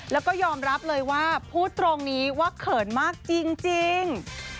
แล้วก็ยอมรับเลยว่าพูดตรงนี้ว่าเขินมากจริง